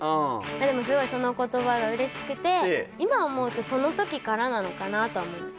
でもすごいその言葉が嬉しくて今思うとそのときからなのかなとは思います